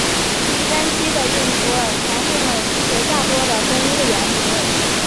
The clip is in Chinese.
山区的印裔尼泊尔人传统上已经占据了绝大多数的公务员职位。